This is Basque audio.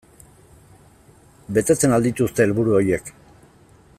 Betetzen al dituzte helburu horiek?